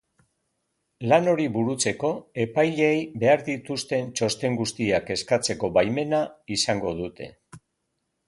Lan hori burutzeko, epaileei behar dituzten txosten guztiak eskatzeko baimena izango dute.